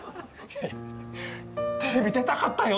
テレビ出たかったよ。